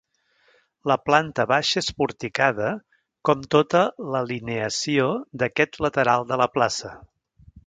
La planta baixa és porticada com tota l'alineació d'aquest lateral de la plaça.